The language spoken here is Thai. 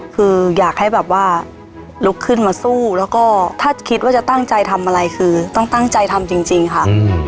คืออยากให้แบบว่าลุกขึ้นมาสู้แล้วก็ถ้าคิดว่าจะตั้งใจทำอะไรคือต้องตั้งใจทำจริงค่ะ